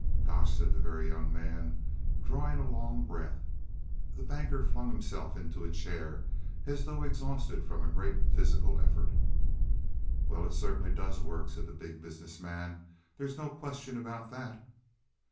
"Gosh," said the Very Young Man, drawing a long breath. The Banker flung himself into a chair as though exhausted from a great physical effort. "Well, it certainly does work," said the Big Business Man, "there's no question about that."